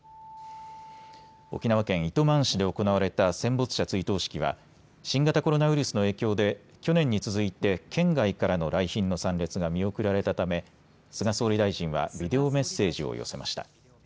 沖縄県糸満市で行われた戦没者追悼式は新型コロナウイルスの影響で去年に続いて県外からの来賓の参列が見送られたため菅総理大臣はビデオメッセージを寄せました。